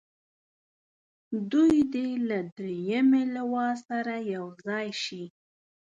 دوی دې له دریمې لواء سره یو ځای شي.